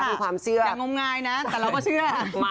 อย่างงมงายนะแต่เราก็เชื่อ